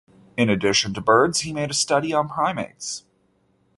In addition to birds he made a study on primates.